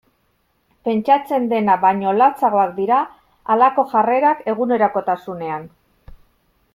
Pentsatzen dena baino latzagoak dira halako jarrerak egunerokotasunean.